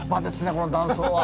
この断層は。